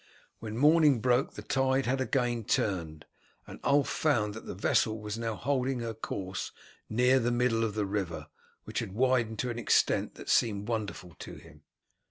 When morning broke the tide had again turned, and Ulf found that the vessel was now holding her course near the middle of the river, which had widened to an extent that seemed wonderful to him.